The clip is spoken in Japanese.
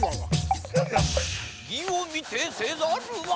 義を見てせざるは。